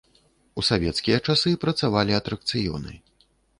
У савецкія часы працавалі атракцыёны.